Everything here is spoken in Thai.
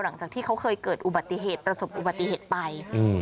หลังจากที่เขาเคยเกิดตระสบอุบัติเหตุไป